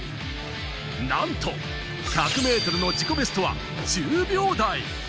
なんと１００ｍの自己ベストは１０秒台。